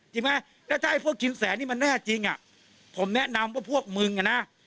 จริงไหมแล้วถ้าไอ้พวกชินแสนนี่มันแน่จริงอ่ะผมแนะนำว่าพวกมึงอ่ะนะ